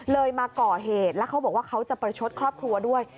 มาก่อเหตุแล้วเขาบอกว่าเขาจะประชดครอบครัวด้วย